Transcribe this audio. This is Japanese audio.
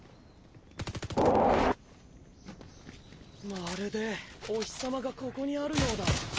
まるでお日様がここにあるようだ。